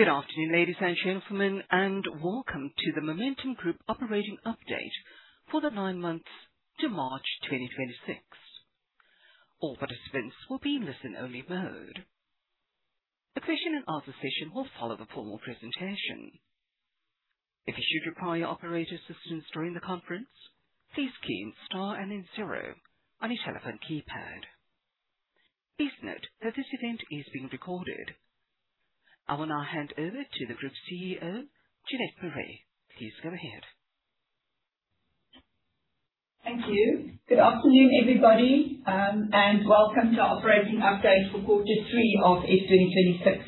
Good afternoon, ladies and gentlemen, and welcome to the Momentum Group operating update for the nine months to March 2026. All participants will be in listen-only mode. A question and answer session will follow the formal presentation. If you should require operator assistance during the conference, please key in star and then zero on your telephone keypad. Please note that this event is being recorded. I will now hand over to the Group Chief Executive Officer, Jeanette Marais. Please go ahead. Thank you. Good afternoon, everybody, and welcome to our operating update for Q3 of F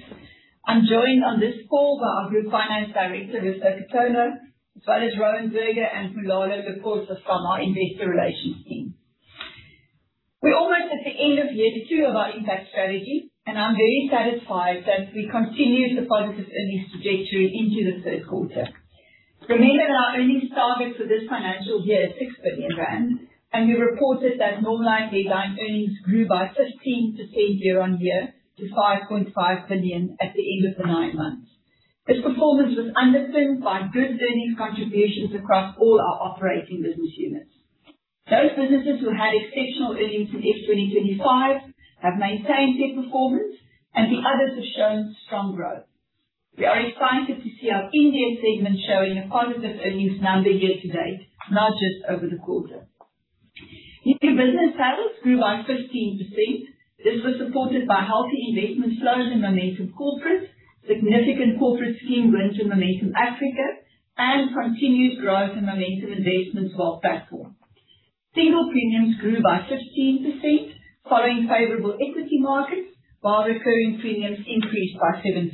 2026. I am joined on this call by our Group Finance Director, Risto Ketola, as well as Rowan Burger and Mulalo Liphosa from our investor relations team. We are almost at the end of year two of our Impact strategy, and I am very satisfied that we continued the positive earnings trajectory into the third quarter. Remember that our earnings target for this financial year is 6 billion rand, and we reported that normalized headline earnings grew by 15% year-on-year to 5.5 billion at the end of the nine months. This performance was underpinned by good earnings contributions across all our operating business units. Those businesses who had exceptional earnings in F 2025 have maintained their performance, and the others have shown strong growth. We are excited to see our Africa segment showing a positive earnings number year-to-date, not just over the quarter. New business sales grew by 15%. This was supported by healthy investment flows in Momentum Corporate, significant corporate scheme wins in Momentum Africa, and continued growth in Momentum Investments wealth platform. Single premiums grew by 15%, following favorable equity markets, while recurring premiums increased by 7%.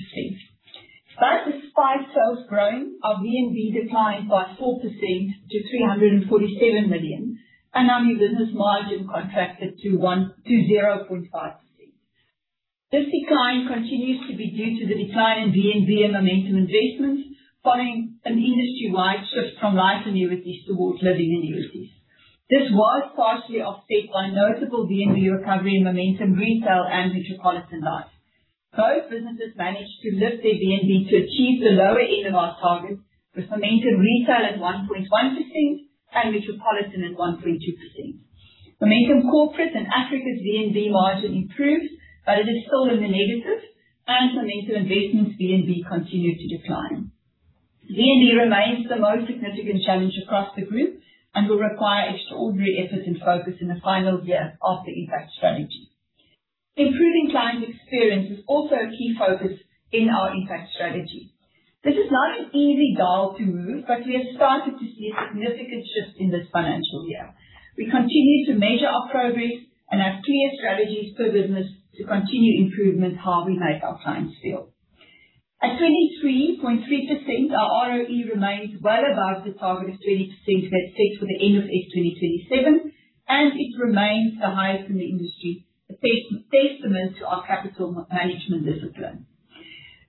But despite sales growing, our VNB declined by 4% to 347 million, and our new business margin contracted to 0.5%. This decline continues to be due to the decline in VNB and Momentum Investments following an industry-wide shift from life annuities towards living annuities. This was partially offset by a notable VNB recovery in Momentum Retail and Metropolitan Life. Both businesses managed to lift their VNB to achieve the lower end of our target, with Momentum Retail at 1.1% and Metropolitan at 1.2%. Momentum Corporate and Africa's VNB margin improved, but it is still in the negative, and Momentum Investments VNB continued to decline. VNB remains the most significant challenge across the group and will require extraordinary effort and focus in the final year of the Impact strategy. Improving client experience is also a key focus in our Impact strategy. This is not an easy dial to move, but we have started to see a significant shift in this financial year. We continue to measure our progress and have clear strategies for business to continue improvement how we make our clients feel. At 23.3%, our ROE remains well above the target of 20% we had set for the end of F 2027, and it remains the highest in the industry. A testament to our capital management discipline.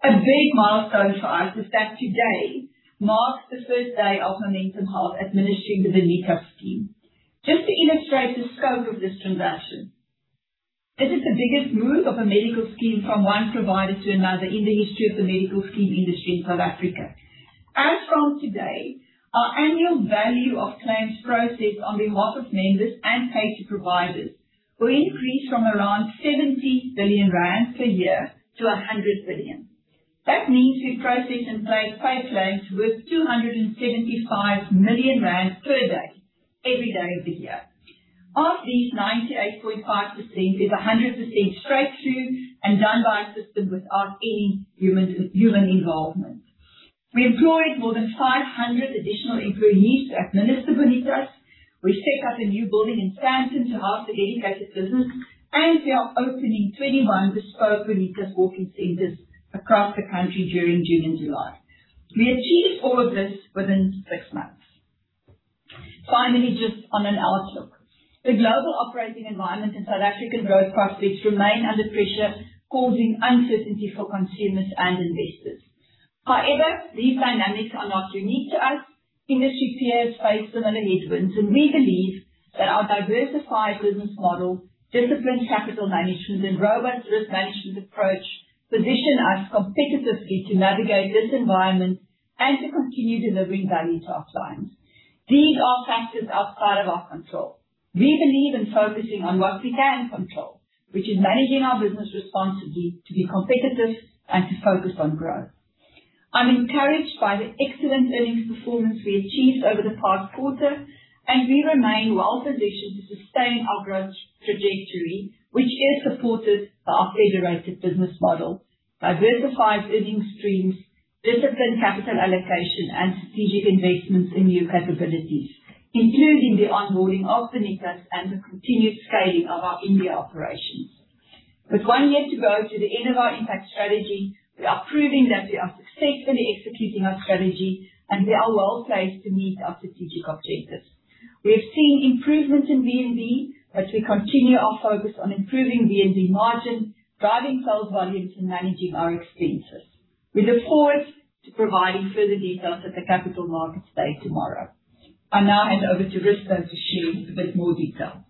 A big milestone for us is that today marks the first day of Momentum Health administering the Bonitas scheme. Just to illustrate the scope of this transaction, this is the biggest move of a medical scheme from one provider to another in the history of the medical scheme industry in South Africa. As from today, our annual value of claims processed on behalf of members and paid to providers will increase from around 70 billion rand per year to 100 billion. That means we process and pay claims worth 275 million rand per day, every day of the year. Of these 98.5% is 100% straight through and done by a system without any human involvement. We employed more than 500 additional employees to administer Bonitas. We set up a new building in Sandton to house the dedicated business. We are opening 21 bespoke Bonitas walk-in centers across the country during June and July. We achieved all of this within six months. Finally, just on an outlook. The global operating environment and South African growth prospects remain under pressure, causing uncertainty for consumers and investors. These dynamics are not unique to us. Industry peers face similar headwinds. We believe that our diversified business model, disciplined capital management, and robust risk management approach position us competitively to navigate this environment and to continue delivering value to our clients. These are factors outside of our control. We believe in focusing on what we can control, which is managing our business responsibly to be competitive and to focus on growth. I'm encouraged by the excellent earnings performance we achieved over the past quarter. We remain well positioned to sustain our growth trajectory, which is supported by our federated business model, diversified earnings streams, disciplined capital allocation, and strategic investments in new capabilities, including the onboarding of Bonitas and the continued scaling of our India operations. With one year to go to the end of our impact strategy, we are proving that we are successfully executing our strategy. We are well-placed to meet our strategic objectives. We have seen improvements in VNB. We continue our focus on improving VNB margin, driving sales volumes, and managing our expenses. We look forward to providing further details at the Capital Markets Day tomorrow. I now hand over to Risto to share a bit more detail.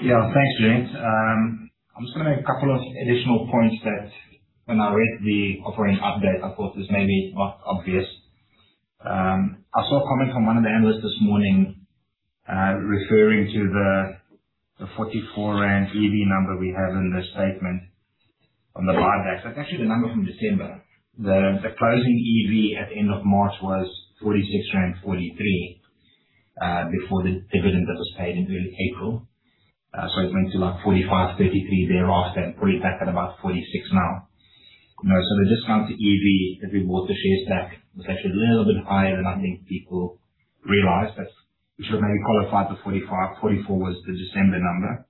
Yeah. Thanks, Jeanette. I'm just going to make a couple of additional points that when I read the operating update, I thought this may be not obvious. I saw a comment from one of the analysts this morning, referring to the 44 rand EV number we have in the statement on the buybacks. That's actually the number from December. The closing EV at the end of March was 46.43, before the dividend that was paid in early April. It went to like 45.33 thereafter and pretty back at about 46 now. The discount to EV if we bought the shares back was actually a little bit higher than I think people realized that we should have maybe qualified for 45. 44 was the December number.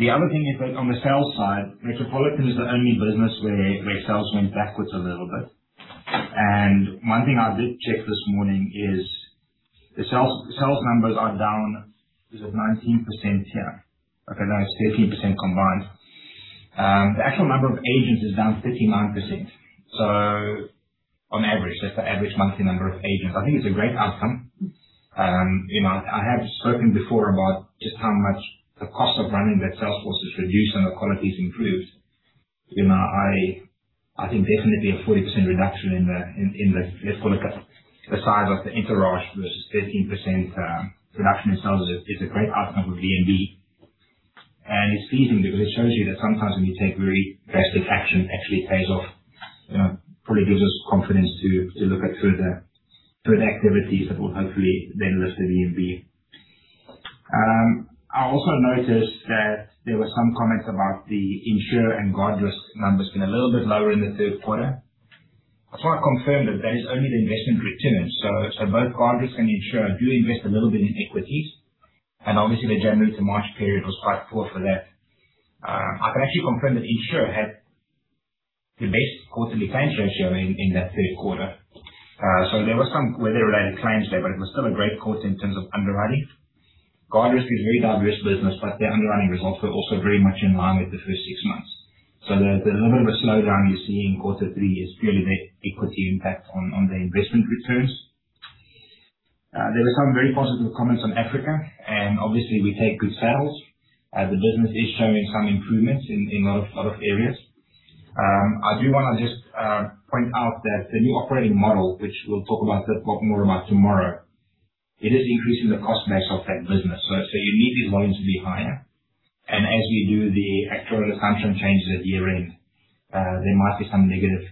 The other thing is that on the sales side, Metropolitan is the only business where sales went backwards a little bit. One thing I did check this morning is the sales numbers are down, is it 19%? Yeah. Okay, no, it's 13% combined. The actual number of agents is down 39%. On average, that's the average monthly number of agents. I think it's a great outcome. I have spoken before about just how much the cost of running that sales force is reduced and the quality is improved. I think definitely a 40% reduction in the size of the entourage versus 13% reduction in sales is a great outcome for VNB. It's pleasing because it shows you that sometimes when you take very drastic action, it actually pays off. Probably gives us confidence to look at further activities that will hopefully then lift the VNB. I also noticed that there were some comments about the Momentum Insure and Guardrisk numbers being a little bit lower in the third quarter. I just want to confirm that that is only the investment returns. Both Guardrisk and Momentum Insure do invest a little bit in equities, and obviously, the January to March period was quite poor for that. I can actually confirm that Momentum Insure had the best quarterly claims ratio in that third quarter. There were some weather-related claims there, but it was still a great quarter in terms of underwriting. Guardrisk is a very diverse business, but their underwriting results were also very much in line with the first six months. There's a little bit of a slowdown you're seeing in quarter three is purely the equity impact on the investment returns. There were some very positive comments on Momentum Africa, obviously, we take good solace as the business is showing some improvements in a lot of areas. I do want to just point out that the new operating model, which we'll talk more about tomorrow, it is increasing the cost base of that business. You need these volumes to be higher. As you do the actuarial assumption changes at year-end, there might be some negative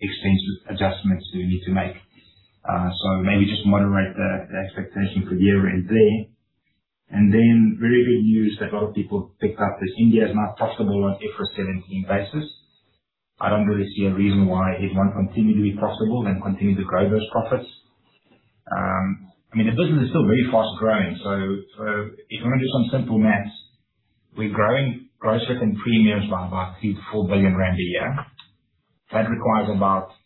expense adjustments you need to make. Maybe just moderate the expectation for year-end there. Then very good news that a lot of people picked up is India is now profitable on an IFRS 17 basis. I don't really see a reason why it won't continue to be profitable and continue to grow those profits. I mean, the business is still very fast-growing. If you want to do some simple maths, we're growing gross written premiums by about 3 billion-4 billion rand a year. That requires about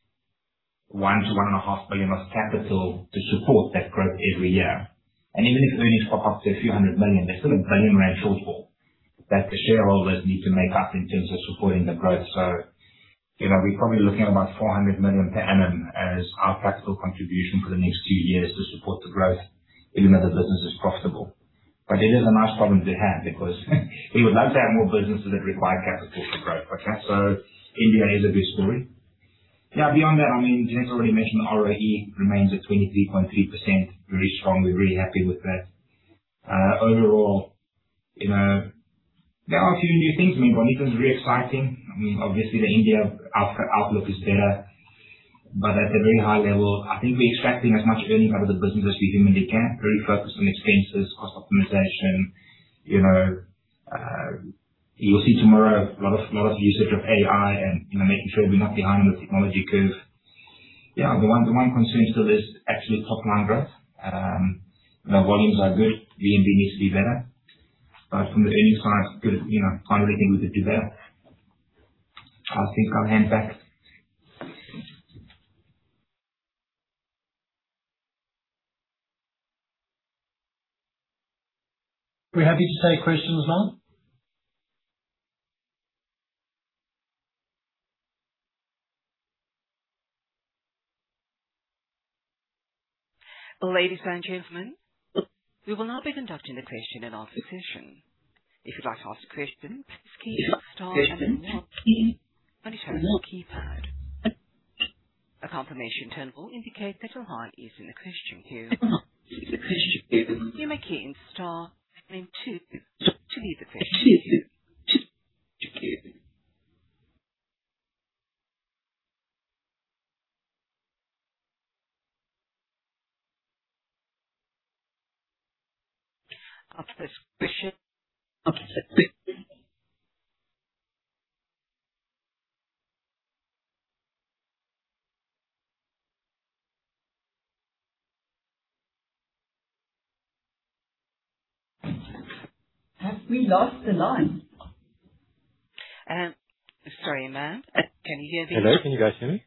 1 billion-1.5 billion of capital to support that growth every year. Even if earnings pop up to a ZAR few hundred million, there's still a 1 billion rand shortfall that the shareholders need to make up in terms of supporting the growth. We're probably looking at about 400 million per annum as our capital contribution for the next few years to support the growth, even though the business is profitable. It is a nice problem to have because we would love to have more businesses that require capital for growth. Okay? India is a good story. Beyond that, James already mentioned ROE remains at 23.3% very strong. We're really happy with that. Overall, there are a few new things. I mean, Bonitas is very exciting. Obviously, the India outlook is better. At a very high level, I think we're extracting as much earning out of the business as we humanly can. Very focused on expenses, cost optimization. You will see tomorrow a lot of usage of AI and making sure we're not behind the technology curve. Yeah, the one concern still is actual top-line growth. The volumes are good. VNB needs to be better. From the earnings side, can't really think we could do better. I think I'll hand back. We're happy to take questions now. Ladies and gentlemen, we will now be conducting the question and answer session. If you'd like to ask a question, please key star then zero on your telephone keypad. A confirmation tone will indicate that your line is in the question queue. You may key in star then two to leave the question queue. Have we lost the line? Sorry, ma'am. Can you hear me now? Hello, can you guys hear me?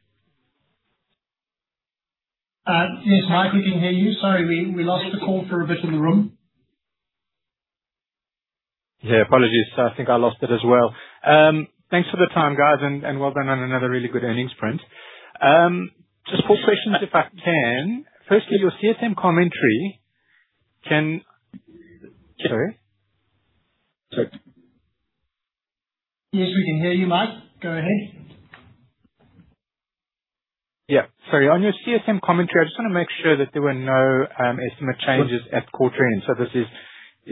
Yes, Mike, we can hear you. Sorry, we lost the call for a bit in the room. Yeah, apologies. I think I lost it as well. Thanks for the time, guys, and well done on another really good earnings print. Just four questions, if I can. Firstly, your CSM commentary. Sorry. Yes, we can hear you, Mike. Go ahead. Yeah. Sorry. On your CSM commentary, I just want to make sure that there were no estimate changes at quarter end. This is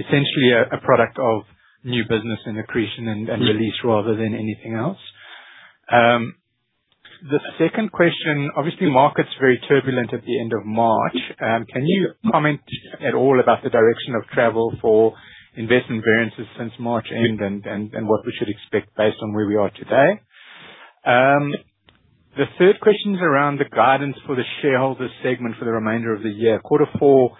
essentially a product of new business and accretion and release rather than anything else. The second question, obviously, market's very turbulent at the end of March. Can you comment at all about the direction of travel for investment variances since March end and what we should expect based on where we are today? The third question is around the guidance for the shareholder segment for the remainder of the year. Quarter four,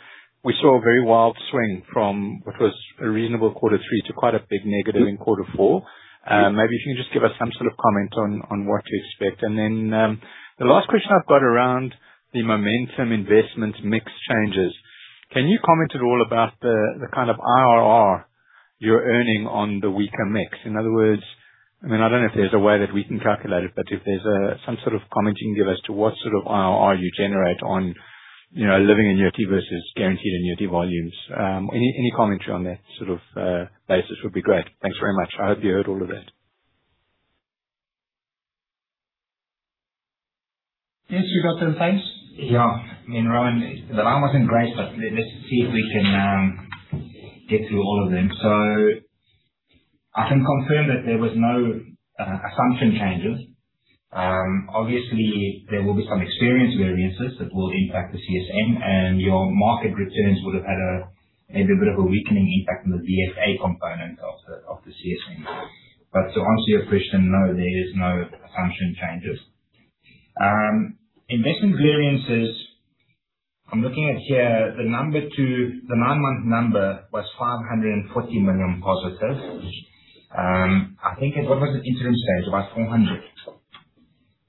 we saw a very wild swing from what was a reasonable quarter three to quite a big negative in quarter four. Maybe if you can just give us some sort of comment on what to expect. The last question I've got around the Momentum Investments mix changes. Can you comment at all about the kind of IRR you're earning on the weaker mix? In other words, I don't know if there's a way that we can calculate it, but if there's some sort of comment you can give as to what sort of IRR you generate on living annuity versus guaranteed annuity volumes. Any commentary on that sort of basis would be great. Thanks very much. I hope you heard all of that. Yes, we got that. Thanks. I mean, Rowan, the line wasn't great, but let's see if we can get through all of them. I can confirm that there was no assumption changes. Obviously, there will be some experience variances that will impact the CSM, and your market returns would have had maybe a bit of a weakening impact on the VFA component of the CSM. To answer your question, no, there is no assumption changes. Investment variances, I'm looking at here, the nine-month number was 540 million positive. I think, what was the interim stage? It was 400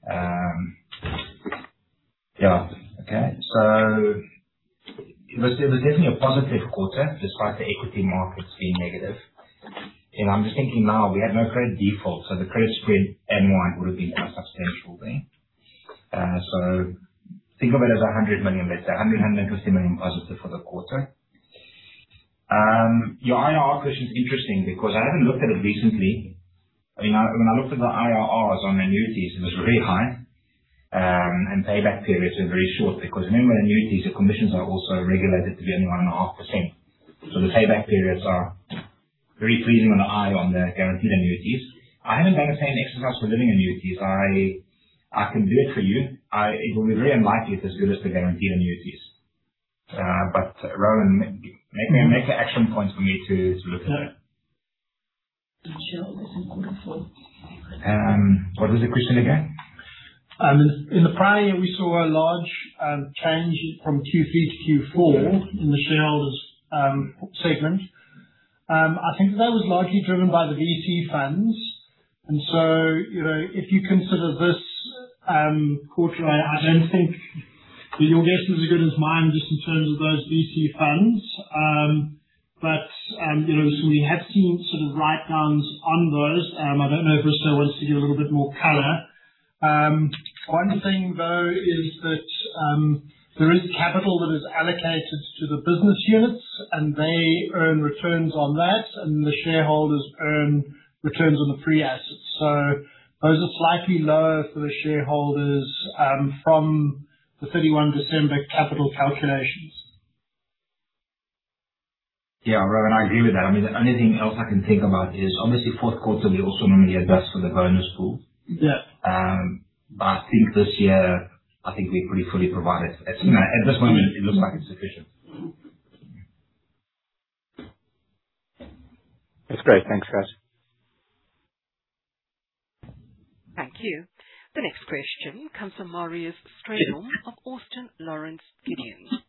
million. Okay. It was definitely a positive quarter, despite the equity markets being negative. I'm just thinking now, we had no credit defaults, so the credit spread M1 would have been a substantial thing. Think of it as 100 million, let's say 100 million-150 million positive for the quarter. Your IRR question is interesting because I haven't looked at it recently. When I looked at the IRRs on annuities, it was really high. Payback periods were very short because remember, annuities, the commissions are also regulated to be only 1.5%. The payback periods are very pleasing on the eye on the guaranteed annuities. I haven't done the same exercise for living annuities. I can do it for you. It will be very unlikely it's as good as the guaranteed annuities. Rowan, make an action point for me to look at it. The shareholders in quarter four. What was the question again? In the prior year, we saw a large change from Q3 to Q4 in the shareholders segment. I think that was largely driven by the VC funds. If you consider this quarter, I don't think your guess is as good as mine just in terms of those VC funds. We have seen sort of write-downs on those. I don't know if Christophe wants to give a little bit more color. One thing, though, is that there is capital that is allocated to the business units, and they earn returns on that, and the shareholders earn returns on the free assets. Those are slightly lower for the shareholders, from the 31 December capital calculations. Yeah, Rowan, I agree with that. I mean, the only thing else I can think about is obviously fourth quarter, we also normally invest for the bonus pool. Yeah. I think this year, I think we're pretty fully provided. At this moment, it looks like it's sufficient. That's great. Thanks, guys. Thank you. The next question comes from Marius Strydom of Austin Lawrence Gidon.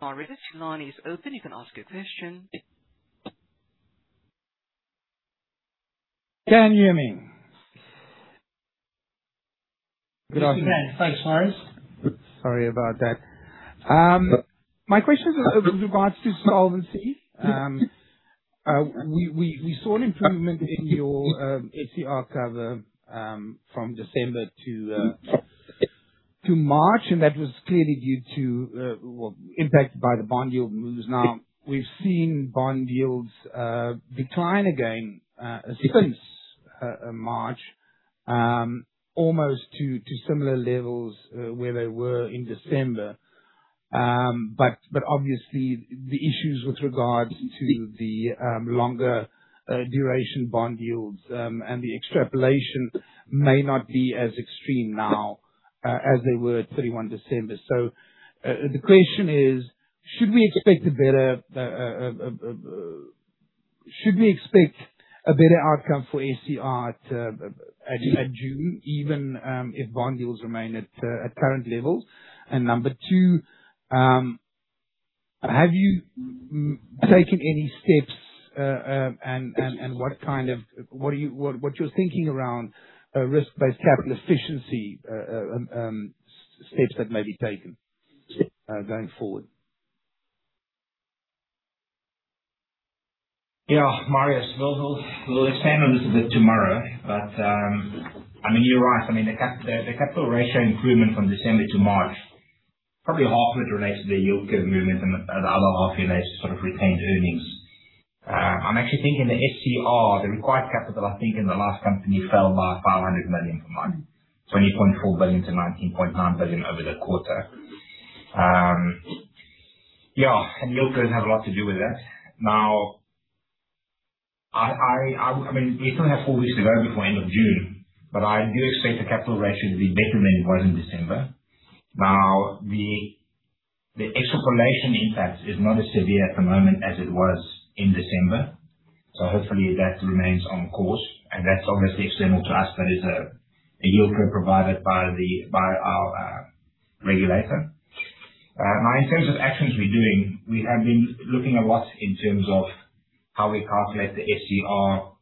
Marius, your line is open. You can ask your question. Can you hear me? Good afternoon. Thanks, Marius. Sorry about that. My question is with regards to solvency. We saw an improvement in your SCR cover from December to March, and that was clearly due to, well, impacted by the bond yield moves. We've seen bond yields decline again since March, almost to similar levels, where they were in December. Obviously, the issues with regards to the longer duration bond yields, and the extrapolation may not be as extreme now as they were at 31 December. The question is, should we expect a better outcome for SCR at June, even if bond yields remain at current levels? Number two, have you taken any steps, and what you're thinking around risk-based capital efficiency steps that may be taken going forward? Yeah, Marius. We'll expand on this a bit tomorrow, you're right. The capital ratio improvement from December to March, probably half of it relates to the yield curve movement and the other half relates to retained earnings. I'm actually thinking the SCR, the required capital, I think in the last company fell by 500 million from 20.4 billion to 19.9 billion over the quarter. Yield curve has a lot to do with that. We still have four weeks to go before end of June, I do expect the capital ratio to be better than it was in December. The extrapolation impact is not as severe at the moment as it was in December, hopefully that remains on course. That's obviously external to us, that is a yield curve provided by our regulator. In terms of actions we're doing, we have been looking a lot in terms of how we calculate the SCR,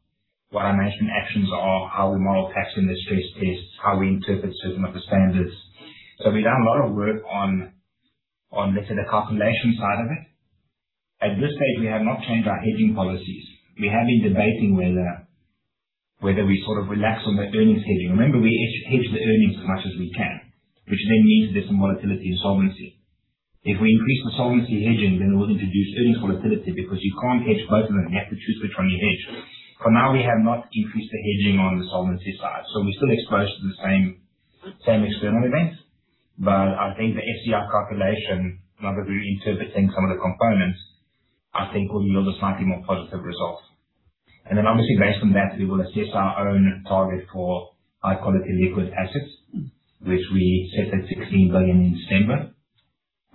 what our management actions are, how we model tax in the stress tests, how we interpret certain of the standards. We've done a lot of work on, let's say, the calculation side of it. At this stage, we have not changed our hedging policies. We have been debating whether we sort of relax on the earnings hedging. Remember, we hedge the earnings as much as we can, which means there's some volatility in solvency. If we increase the solvency hedging, it will introduce earnings volatility because you can't hedge both of them. You have to choose which one you hedge. For now, we have not increased the hedging on the solvency side, we're still exposed to the same external events. I think the SCR calculation, now that we're reinterpreting some of the components, I think will yield a slightly more positive result. Obviously based on that, we will assess our own target for high-quality liquid assets, which we set at 16 billion in December.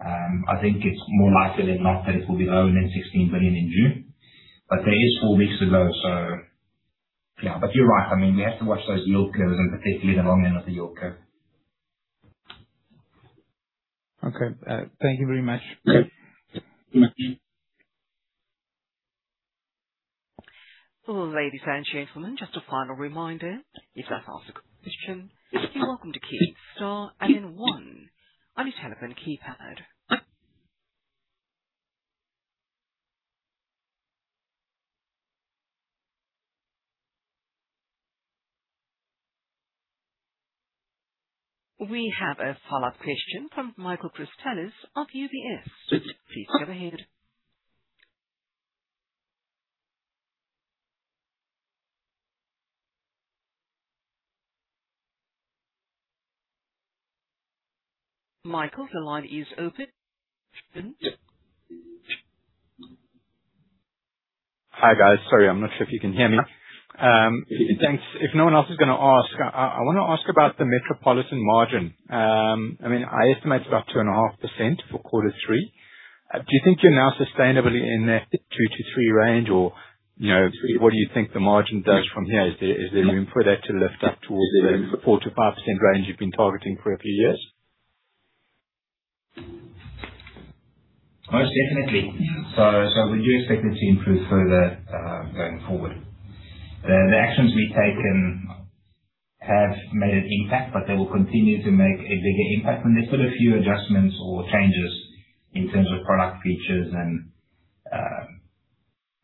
I think it's more likely than not that it will be lower than 16 billion in June. There is four weeks to go. You're right. We have to watch those yield curves and particularly the long end of the yield curve. Okay. Thank you very much. Ladies and gentlemen, just a final reminder. If you'd like to ask a question, you're welcome to key star and then one on your telephone keypad. We have a follow-up question from Michael Christelis of UBS. Please go ahead. Michael, the line is open. Hi, guys. Sorry, I'm not sure if you can hear me. Yeah. Thanks. If no one else is going to ask, I want to ask about the Metropolitan margin. I estimate it is about 2.5% for Q3. Do you think you are now sustainably in that 2%-3% range, or what do you think the margin does from here? Is there room for that to lift up towards the 4%-5% range you have been targeting for a few years? Most definitely. We do expect it to improve further, going forward. The actions we have taken have made an impact, but they will continue to make a bigger impact when there is still a few adjustments or changes in terms of product features and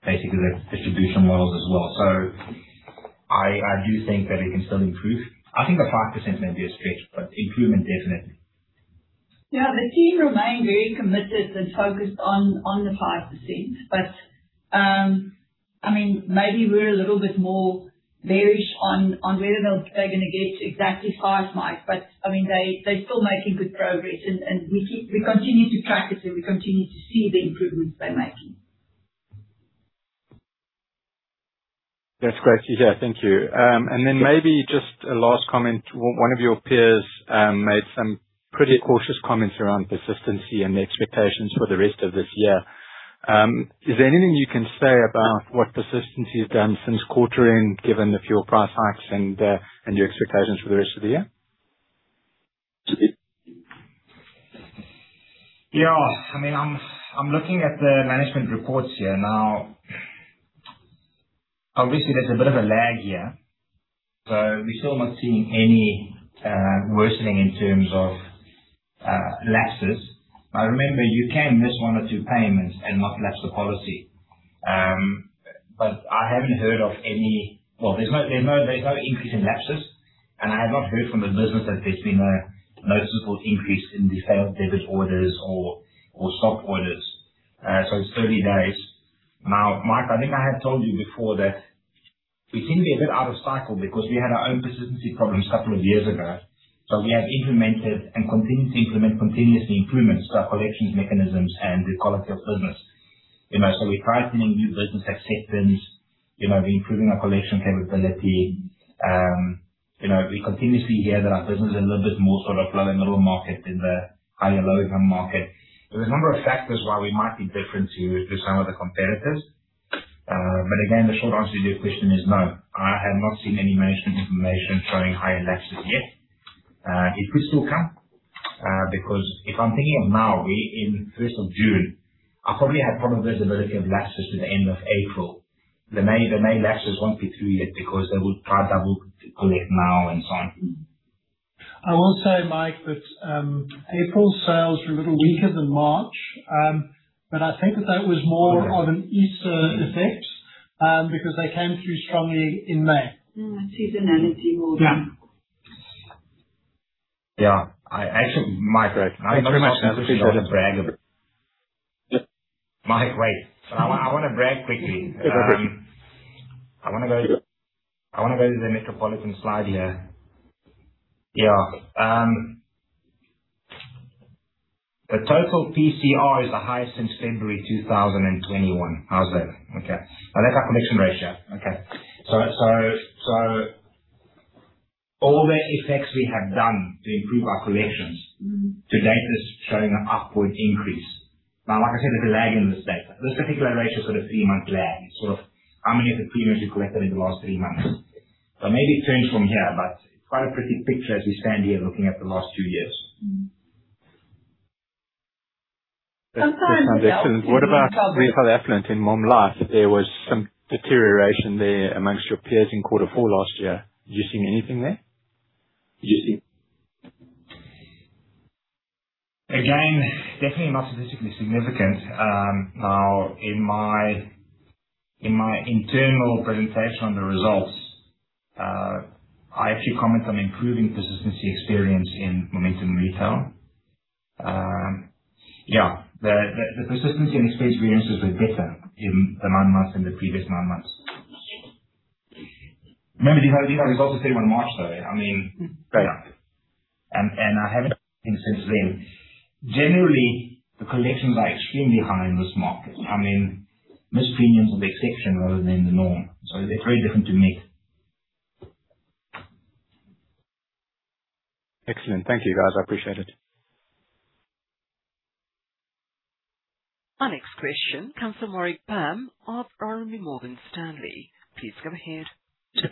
basically the distribution models as well. I do think that it can still improve. I think the 5% may be a stretch, but improvement definitely. Yeah. The team remain very committed and focused on the 5%. Maybe we are a little bit more bearish on whether or not they are going to get to exactly 5, Mike. They are still making good progress. We continue to track it, and we continue to see the improvements they are making. That is great to hear. Thank you. Maybe just a last comment. One of your peers made some pretty cautious comments around persistency and the expectations for the rest of this year. Is there anything you can say about what persistency has done since quarter-end, given the fuel price hikes and your expectations for the rest of the year? I'm looking at the management reports here now. Obviously, there's a bit of a lag here. We're still not seeing any worsening in terms of lapses. Remember, you can miss one or two payments and not lapse the policy. I haven't heard of any, there's no increase in lapses, and I have not heard from the business that there's been a noticeable increase in failed debit orders or stop orders. It's 30 days. Mike, I think I have told you before that we seem to be a bit out of cycle because we had our own persistency problems a couple of years ago. We have implemented and continue to implement continuous improvements to our collections mechanisms and the quality of business. We're tightening new business acceptance. We're improving our collection capability. We continuously hear that our business is a little bit more lower middle market than the higher low income market. There's a number of factors why we might be different to some of the competitors. Again, the short answer to your question is no. I have not seen any management information showing higher lapses yet. It could still come, because if I'm thinking of now, we're in first of June. I probably have probably visibility of lapses to the end of April. The May lapses won't be through yet because they will try to collect now and so on. I will say, Mike, that April sales were a little weaker than March. I think that that was more of an Easter effect, because they came through strongly in May. Seasonality more than- Yeah. Yeah. Actually, Mike, I think this is a brag a bit. Mike, wait. I want to brag quickly. I want to go to the Metropolitan slide here. Yeah. The total PCR is the highest since February 2021. How's that? Okay. That's our collection ratio. Okay. All the effects we have done to improve our collections, to date, is showing an upward increase. Like I said, there's a lag in this data. This particular ratio's got a three-month lag. Sort of how many of the premiums you collected in the last three months. Maybe it turns from here, but quite a pretty picture as we stand here looking at the last two years. Sometimes we help, sometimes we cover. Excellent. What about retail affluent in Momentum Life? There was some deterioration there amongst your peers in quarter four last year. Have you seen anything there? Again, definitely not statistically significant. In my internal presentation on the results, I actually comment on improving persistency experience in Momentum Retail. Yeah. The persistency and expense experiences were better in the nine months than the previous nine months. Remember, these are results as of March, though. I mean, fair enough. I haven't seen since then. Generally, the collections are extremely high in this market. I mean, missed premiums are the exception rather than the norm. It's very different to me. Excellent. Thank you, guys. I appreciate it. Our next question comes from Warwick Bam of RMB Morgan Stanley. Please go ahead. Good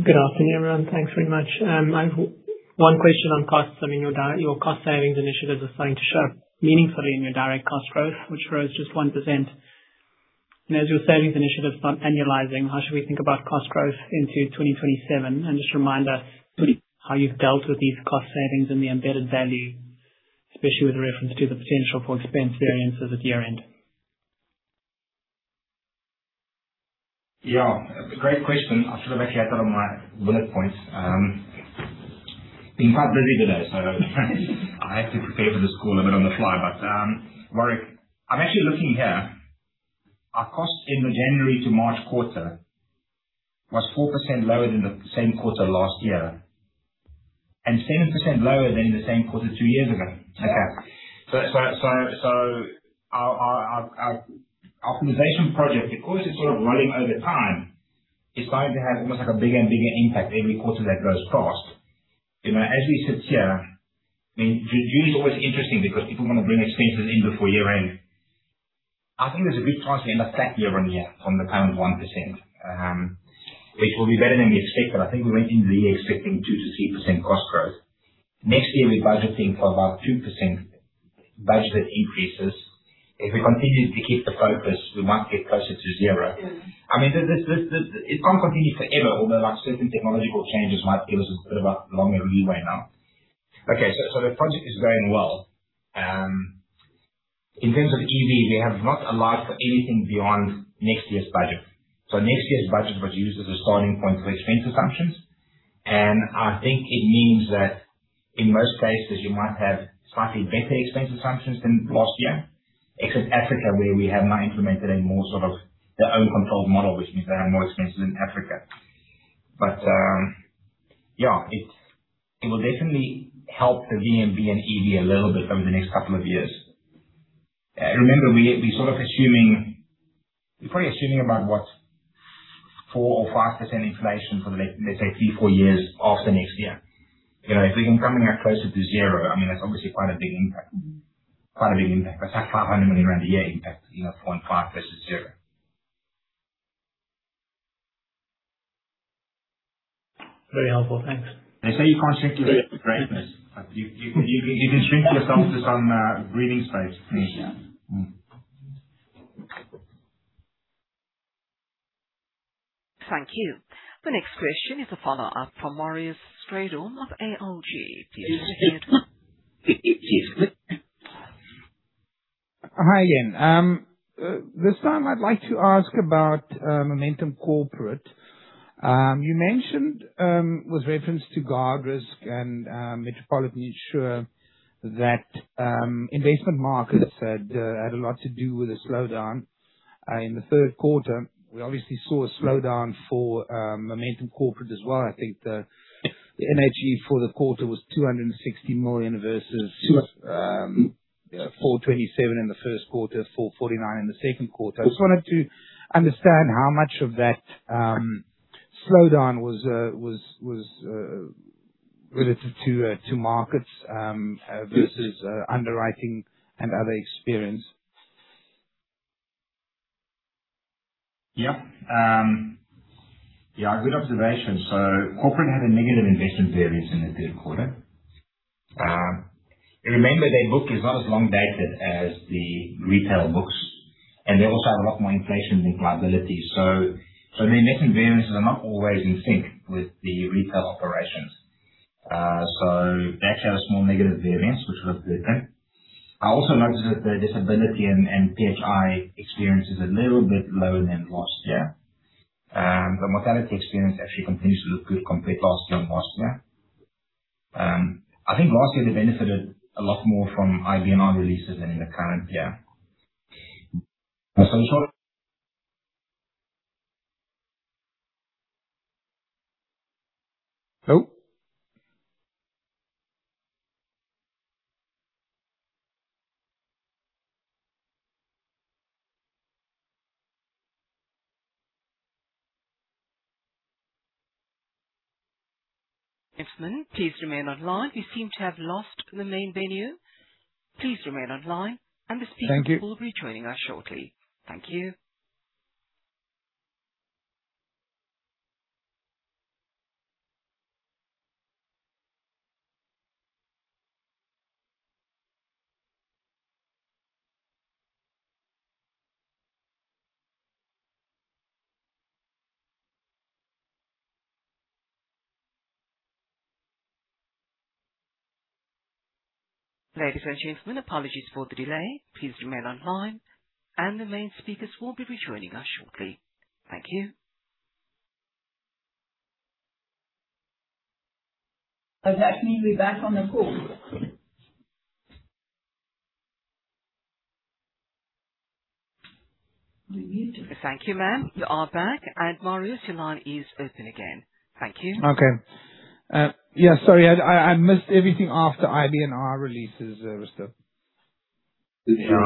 afternoon, everyone. Thanks very much. I have one question on costs. I mean, your cost savings initiatives are starting to show up meaningfully in your direct cost growth, which grows just 1%. As your savings initiatives start annualizing, how should we think about cost growth into 2027? Just remind us how you've dealt with these cost savings and the embedded value, especially with reference to the potential for expense variances at year-end. Yeah. Great question. I should have actually had that on my bullet points. Been quite busy today, so I had to prepare for this call a bit on the fly. Warwick, I'm actually looking here. Our cost in the January to March quarter was 4% lower than the same quarter last year. 7% lower than the same quarter two years ago. Yeah. Our optimization project, because it's rolling over time, it's going to have almost a bigger and bigger impact every quarter that goes past. As we sit here, June is always interesting because people want to bring expenses in before year-end. I think there's a big chance we end up flat year-on-year from the current 1%. Which will be better than we expected. I think we went into the year expecting 2%-3% cost growth. Next year, we're budgeting for about 2% budgeted increases. If we continue to keep the focus, we might get closer to zero. It can't continue forever, although certain technological changes might give us a bit of a longer leeway now. The project is going well. In terms of EV, we have not allowed for anything beyond next year's budget. Next year's budget was used as a starting point for expense assumptions. I think it means that in most cases, you might have slightly better expense assumptions than last year. Except Africa, where we have now implemented a more their own controlled model, which means they have more expenses in Africa. It will definitely help the VNB and EV a little bit over the next couple of years. Remember, we're probably assuming about, what, 4% or 5% inflation for the, let's say, three, four years after next year. If we can come in at closer to zero, that's obviously quite a big impact. That's 500 million rand a year impact in a 0.5 versus zero. Very helpful. Thanks. They say you can't shrink your way to greatness. You can shrink yourself to some breathing space, perhaps, yeah. Thank you. The next question is a follow-up from Marius Strydom of ALG. Please proceed. Hi again. This time I'd like to ask about Momentum Corporate. You mentioned, with reference to Guardrisk and Momentum Insure, that investment markets had a lot to do with the slowdown. In the third quarter, we obviously saw a slowdown for Momentum Corporate as well. I think the NHE for the quarter was 260 million versus 427 in the first quarter, 449 in the second quarter. I just wanted to understand how much of that slowdown was related to markets versus underwriting and other experience Yep. Yeah, good observation. Corporate had a negative investment variance in the third quarter. Remember, their book is not as long-dated as the retail books, and they also have a lot more inflation than liabilities. Their net variances are not always in sync with the retail operations. That shows small negative variance, which looks different. I also noticed that the disability and PHI experience is a little bit lower than last year. The mortality experience actually continues to look good compared to last year and the year before. I think last year they benefited a lot more from IBNR releases than in the current year. Gentlemen, please remain online. We seem to have lost the main venue. Please remain online, and the speaker Thank you. Will be joining us shortly. Thank you. Ladies and gentlemen, apologies for the delay. Please remain online, and the main speakers will be rejoining us shortly. Thank you. Does that mean we're back on the call? Thank you, ma'am. You are back, Marius, your line is open again. Thank you. Okay. Yeah, sorry, I missed everything after IBNR releases stuff. Yeah.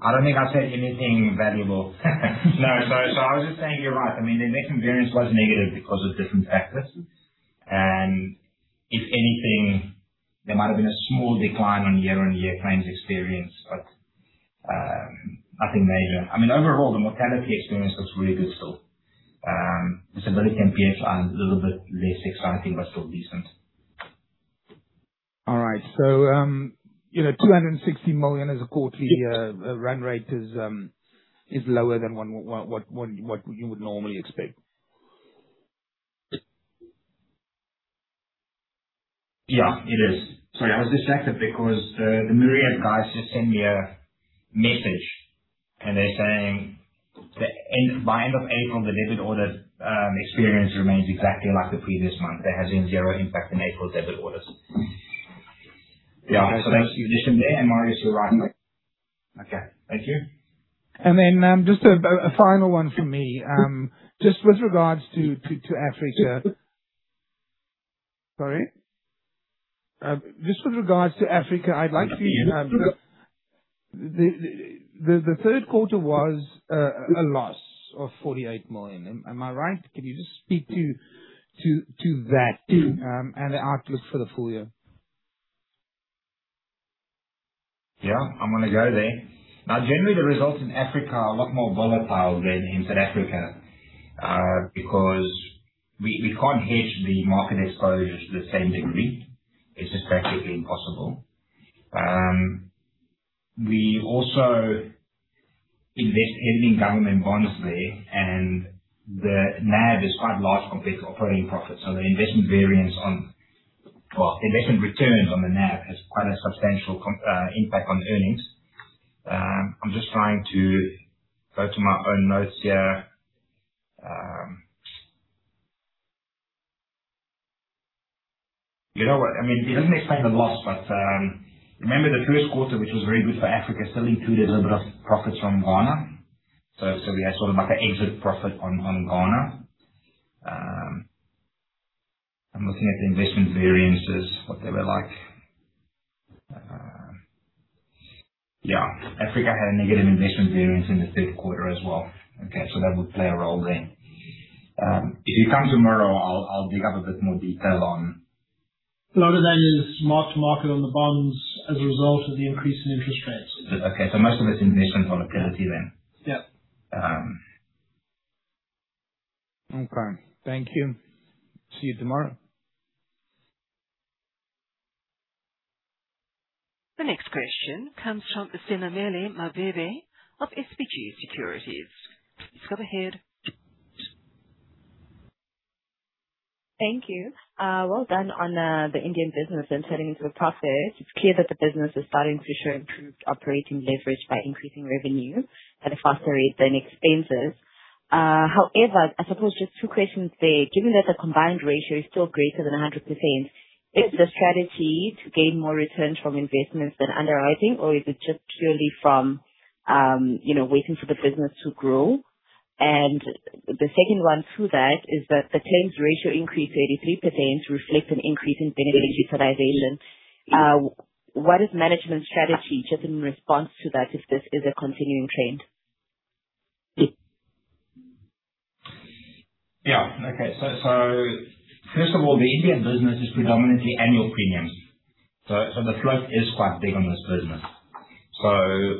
I don't think I said anything valuable. No. I was just saying, you're right. The net variance was negative because of different factors. If anything, there might have been a small decline on year-on-year claims experience, but nothing major. Overall, the mortality experience looks really good still. Disability and PHI is a little bit less exciting but still decent. All right. 260 million as a quarterly run rate is lower than what you would normally expect. It is. Sorry, I was distracted because the [Muria] guys just sent me a message. They're saying that by end of April, the debit orders experience remains exactly like the previous month. That has been zero impact in April debit orders. Okay. That's the addition there. Marius, you're right. Thank you. Just a final one from me. Just with regards to Africa, I'd like to The third quarter was a loss of 48 million. Am I right? Could you just speak to that, the outlook for the full year? I'm going to go there. Generally, the results in Africa are a lot more volatile than in South Africa, because we can't hedge the market exposure to the same degree. It's just practically impossible. We also invest heavily in government bonds there. The NAV is quite large compared to operating profits. The investment returns on the NAV has quite a substantial impact on earnings. I'm just trying to go to my own notes here. You know what? It doesn't explain the loss. Remember the first quarter, which was very good for Africa, still included a little bit of profits from Ghana. We had sort of like an exit profit on Ghana. I'm looking at the investment variances, what they were like. Africa had a negative investment variance in the third quarter as well. That would play a role there. If you come tomorrow, I'll dig up a bit more detail. A lot of that is mark-to-market on the bonds as a result of the increase in interest rates. Okay, most of it is investment on a liquidity then. Yeah. Okay. Thank you. See you tomorrow. The next question comes from Senamela Mabebe of SBG Securities. Go ahead. Thank you. Well done on the Indian business and turning into a profit. It's clear that the business is starting to show improved operating leverage by increasing revenue at a faster rate than expenses. I suppose just two questions there. Given that the combined ratio is still greater than 100%, is the strategy to gain more returns from investments than underwriting, or is it just purely from waiting for the business to grow? The second one to that is that the claims ratio increased 33% to reflect an increase in benefit utilization. What is management's strategy just in response to that if this is a continuing trend? Yeah. Okay. First of all, the Indian business is predominantly annual premiums. The float is quite big on this business.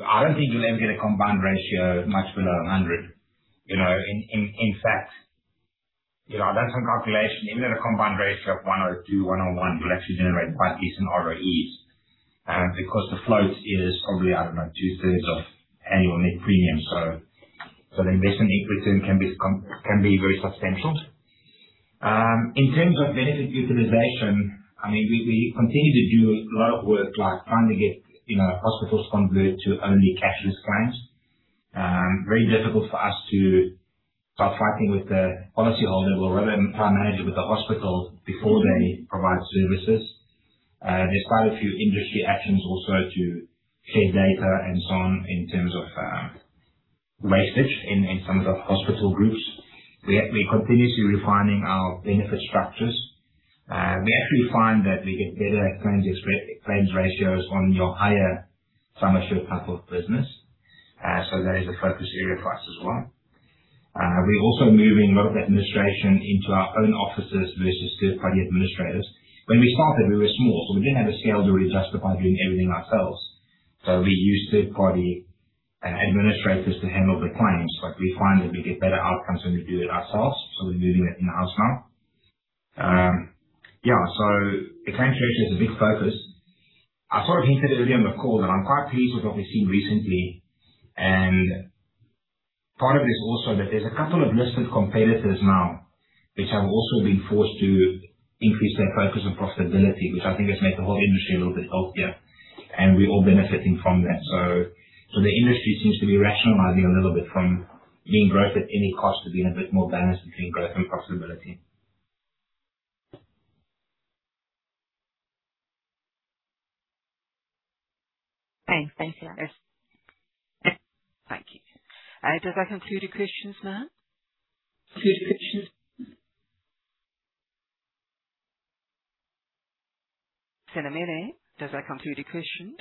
I don't think you'll ever get a combined ratio much below 100. In fact, I've done some calculation. Even at a combined ratio of 102, 101, we'll actually generate quite decent ROEs. Because the float is probably, I don't know, two-thirds of annual net premiums. The investment equity can be very substantial. In terms of benefit utilization, we continue to do a lot of work like trying to get hospitals converted to only cashless claims. Very difficult for us to start fighting with the policyholder or rather try manage it with the hospital before they provide services. There's quite a few industry actions also to share data and so on in terms of wastage in some of the hospital groups. We're continuously refining our benefit structures. We actually find that we get better claims ratios on your higher summative type of business. That is a focus area for us as well. We're also moving a lot of the administration into our own offices versus third-party administrators. When we started, we were small, we didn't have the scale to really justify doing everything ourselves. We used third-party administrators to handle the claims, but we find that we get better outcomes when we do it ourselves, so we're doing it in-house now. Yeah, the claims ratio is a big focus. I sort of hinted earlier in the call that I'm quite pleased with what we've seen recently. Part of it is also that there's a couple of listed competitors now which have also been forced to increase their focus on profitability, which I think has made the whole industry a little bit healthier. We're all benefiting from that. The industry seems to be rationalizing a little bit from being growth at any cost to being a bit more balanced between growth and profitability. Okay. Thanks, Risto. Thank you. Does that conclude your questions, ma'am? Conclude questions. Senamela, does that conclude your questions?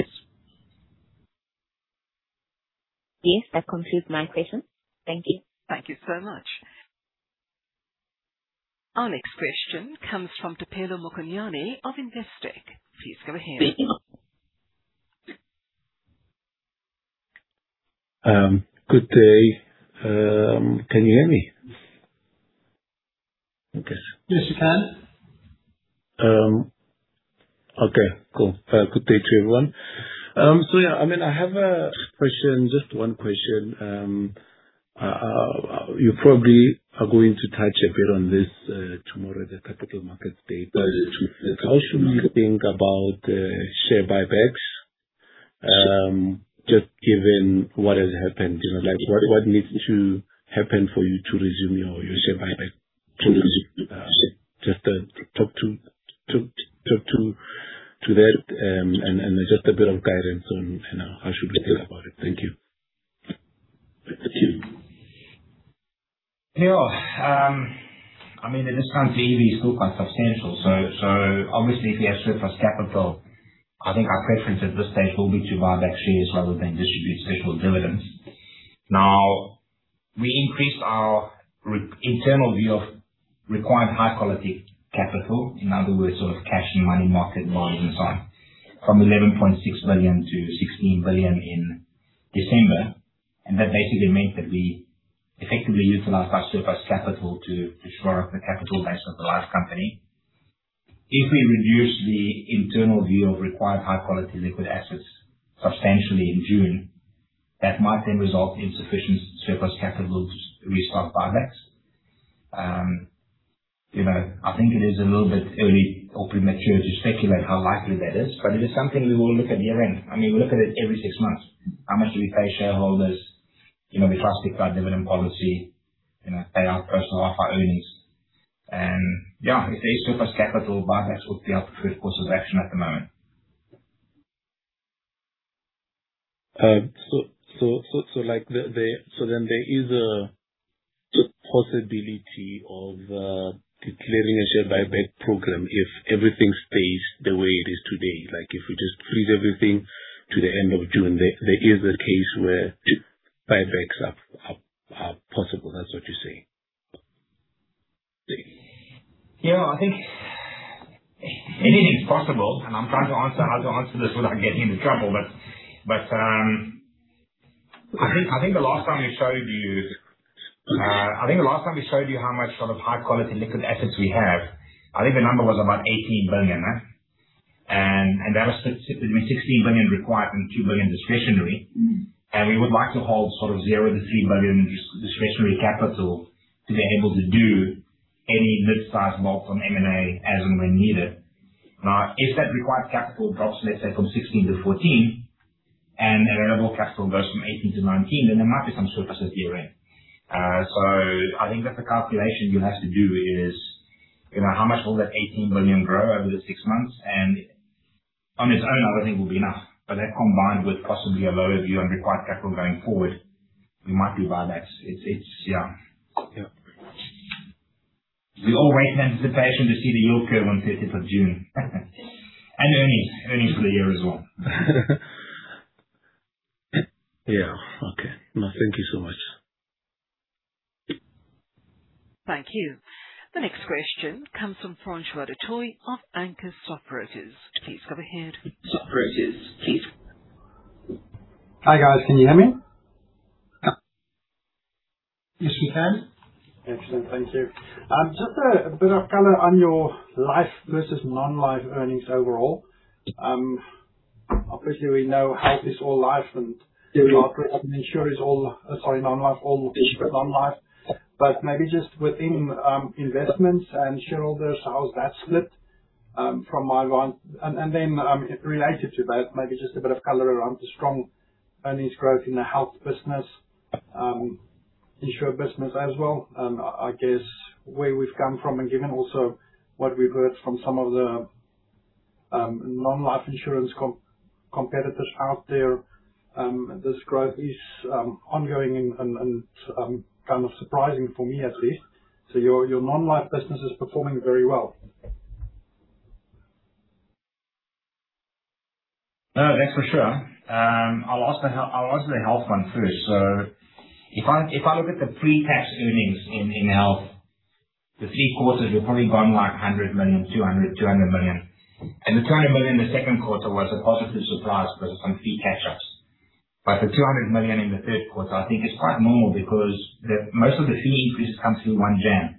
Yes, that concludes my questions. Thank you. Thank you so much. Our next question comes from Thapelo Mokonyane of Investec. Please go ahead. Good day. Can you hear me? Okay. Yes, we can. Okay, cool. Good day to everyone. Yeah, I have a question, just one question. You probably are going to touch a bit on this tomorrow at the Capital Markets Day. Yes. How should we think about share buybacks, just given what has happened? What needs to happen for you to resume your share buyback? Just talk to that, and just a bit of guidance on how should we think about it. Thank you. At this time, the EV is still quite substantial. Obviously, if we have surplus capital, I think our preference at this stage will be to buy back shares rather than distribute special dividends. We increased our internal view of required high-quality capital. In other words, sort of cash and money market equivalents and so on, from 11.6 billion to 16 billion in December. That basically meant that we effectively utilized our surplus capital to shore up the capital base of the life company. If we reduce the internal view of required high-quality liquid assets substantially in June, that might then result in sufficient surplus capital to restart buybacks. I think it is a little bit early or premature to speculate how likely that is, but it is something we will look at year-end. We look at it every six months. How much do we pay shareholders? We try to stick to our dividend policy, pay out a percentage out of our earnings. If there is surplus capital, buybacks would be our preferred course of action at the moment. There is a possibility of declaring a share buyback program if everything stays the way it is today. If we just freeze everything to the end of June, there is a case where buybacks are possible. That's what you're saying? I think anything is possible, and I'm trying to answer this without getting into trouble. I think the last time we showed you how much sort of high-quality liquid assets we have, I think the number was about 18 billion. That was 16 billion required and 2 billion discretionary. We would like to hold sort of 0-3 billion in discretionary capital to be able to do any mid-size bolts on M&A as and when needed. If that required capital drops, let's say, from 16 billion-14 billion, and available capital goes from 18 billion-19 billion, then there might be some surplus at year-end. I think that the calculation you'll have to do is, how much will that 18 billion grow over the six months? On its own, I don't think it will be enough. That combined with possibly a lower view on required capital going forward, we might do buybacks. Yeah. Yeah. We all wait in anticipation to see the yield curve on 30th of June. Earnings for the year as well. Yeah. Okay. No, thank you so much. Thank you. The next question comes from Francois du Toit of Anchor Stockbrokers. Please go ahead. Anchor Stockbrokers, please. Hi, guys. Can you hear me? Yes, we can. Excellent. Thank you. Just a bit of color on your life versus non-life earnings overall. Obviously, we know Momentum Health is all life. Yeah. -life insurance is all, sorry, non-life, all non-life. But maybe just within Momentum Investments and shareholders, how has that split from [my advance? Related to that, maybe just a bit of color around the strong earnings growth in the Momentum Health business, Momentum Insure business as well. I guess where we've come from and given also what we've heard from some of the non-life insurance competitors out there, this growth is ongoing and kind of surprising for me at least. Your non-life business is performing very well. No, that's for sure. I'll answer the Momentum Health one first. If I look at the pre-tax earnings in Momentum Health, the three quarters, we've probably gone like 100 million, 200 million. The 200 million in the second quarter was a positive surprise because of some fee catch-ups. The 200 million in the third quarter, I think, is quite normal because most of the fee increases come through 1 January.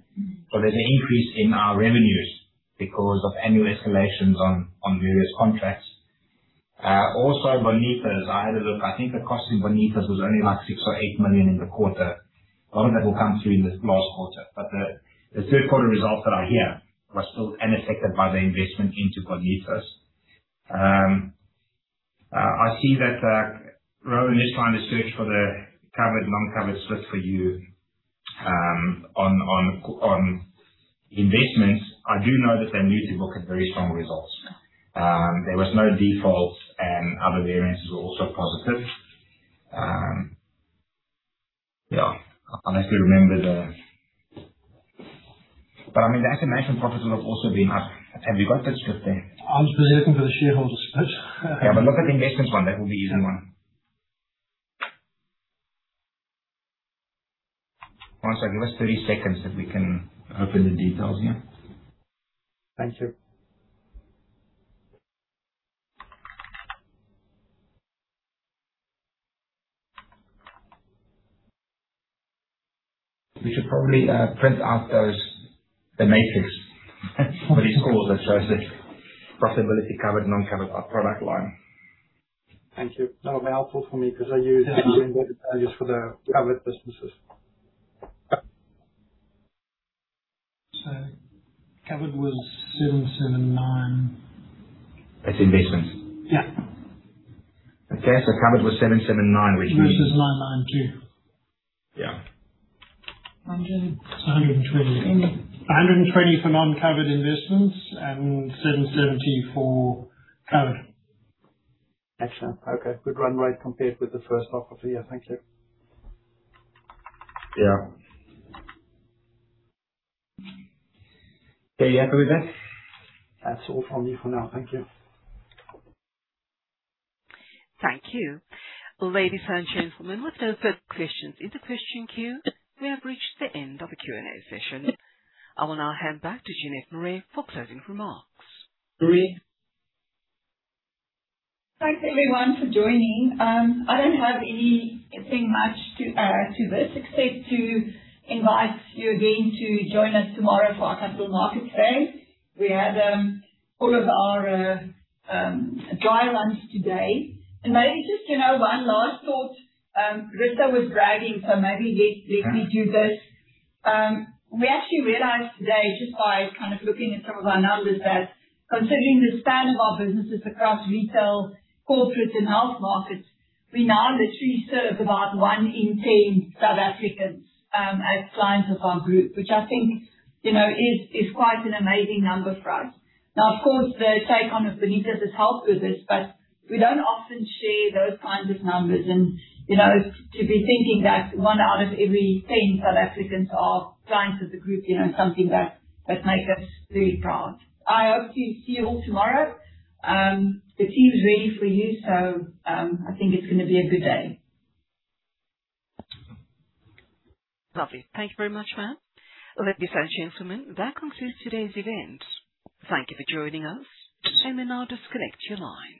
There's an increase in our revenues because of annual escalations on various contracts. Bonitas, I had a look. I think the cost in Bonitas was only like 6 million or 8 million in the quarter. A lot of that will come through in this last quarter. The third quarter results that are here were still unaffected by the investment into Bonitas. I see that Rowan is trying to search for the covered, non-covered split for you on investments. I do know that they moved the book at very strong results. There was no default, and other variances were also positive. I mean, the annuity profits will have also been up. Have you got that split there? I was looking for the shareholder split. Look at the investment one. That will be an easy one. One second. Give us 30 seconds that we can open the details here. Thank you. We should probably print out those, the matrix. For these calls associated with profitability covered, non-covered by product line. Thank you. That'll be helpful for me because I use it in- -the values for the covered businesses. Okay. Covered was 779. That's investments. Yeah. Okay. Covered was 779, which means- Non-covered is 992. Yeah. ZAR 100 and- It's 120. 120 for non-covered investments and 770 for covered. Excellent. Okay. Good runway compared with the first half of the year. Thank you. Yeah. Are you happy with that? That's all from me for now. Thank you. Thank you. Ladies and gentlemen, with no further questions in the question queue, we have reached the end of the Q&A session. I will now hand back to Jeanette Marais for closing remarks. Marais. Thanks, everyone, for joining. I don't have anything much to add to this except to invite you again to join us tomorrow for our Capital Markets Day. We had all of our dry runs today. Maybe just one last thought. Risto was bragging, so maybe let me do this. We actually realized today just by kind of looking at some of our numbers that considering the span of our businesses across retail, corporate, and health markets, we now literally serve about one in 10 South Africans as clients of our group, which I think is quite an amazing number for us. Now, of course, the take on of Bonitas has helped with this, but we don't often share those kinds of numbers. To be thinking that one out of every 10 South Africans are clients of the group is something that makes us really proud. I hope to see you all tomorrow. The team is ready for you, so I think it's gonna be a good day. Lovely. Thank you very much, ma'am. Ladies and gentlemen, that concludes today's event. Thank you for joining us. You may now disconnect your line.